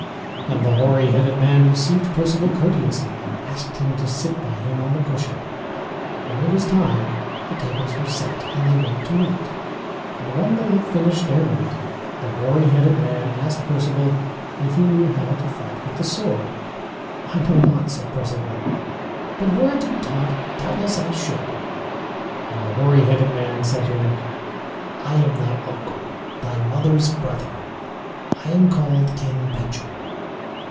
And the hoary headed man received Perceval courteously, and asked him to sit by him on the cushion. When it was time the tables were set, and they went to meat. And when they had finished their meat the hoary headed man asked Perceval if he knew how to fight with the sword "I know not," said Perceval, "but were I to be taught, doubtless I should." And the hoary headed man said to him, "I am thy uncle, thy mother's brother; I am called King Pecheur.